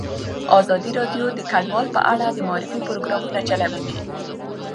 ازادي راډیو د کډوال په اړه د معارفې پروګرامونه چلولي.